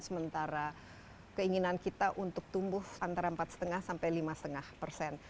sementara keinginan kita untuk tumbuh antara empat lima sampai lima lima persen